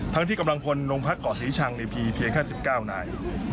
ทั้งที่กำลังพลงภักดิ์ก่อสีชังเพียงแค่๑๙นาย